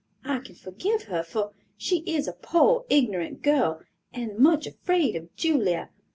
I can forgive her; for she is a poor ignorant girl, and much afraid of Julia.